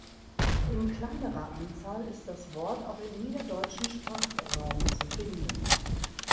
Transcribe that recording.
In kleinerer Anzahl ist das Wort auch im niederdeutschen Sprachraum zu finden.